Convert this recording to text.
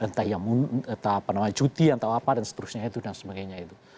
entah yang cuti atau apa dan seterusnya itu dan sebagainya itu